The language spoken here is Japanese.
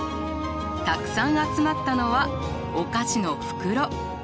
たくさん集まったのはお菓子の袋！